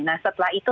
nah setelah itu